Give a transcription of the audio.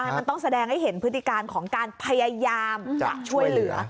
มันต้องแสดงให้เห็นพฤติการของการพยายามจะช่วยเหลือ